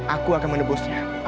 aku akan menebusnya